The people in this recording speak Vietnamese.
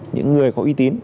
những người có uy tín